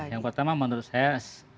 yang pertama menurut saya